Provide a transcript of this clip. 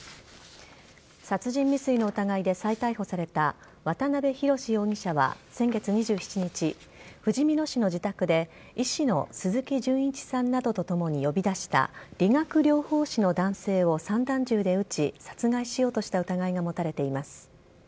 殺人未遂の疑いで再逮捕された渡辺宏容疑者は先月２７日ふじみ野市の自宅で医師の鈴木純一さんなどとともに呼び出した理学療法士の男性を散弾銃で撃ち殺害しようとした疑いが持たれています。